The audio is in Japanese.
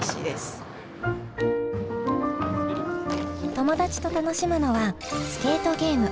友達と楽しむのはスケートゲーム。